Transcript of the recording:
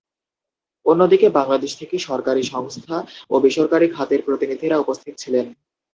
অন্যদিকে বাংলাদেশ থেকে সরকারি সংস্থা ও বেসরকারি খাতের প্রতিনিধিরা উপস্থিত ছিলেন।